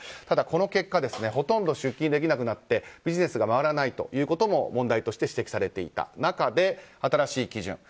ただ、この結果ほとんど出勤できなくなってビジネスが回らないということも問題として指摘されていた中での新しい基準。